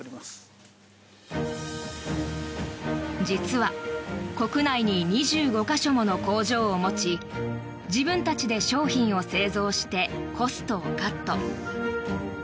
実は、国内に２５か所もの工場を持ち自分たちで商品を製造してコストをカット。